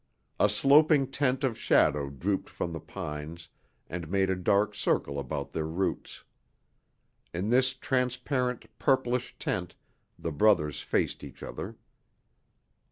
A sloping tent of shadow drooped from the pines and made a dark circle about their roots. In this transparent, purplish tent the brothers faced each other.